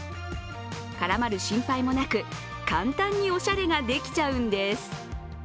絡まる心配もなく、簡単におしゃれができちゃうんです。